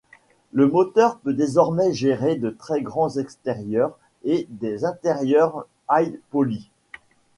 Le moteur peut désormais gérer de très grands extérieurs ou des intérieurs high-poly.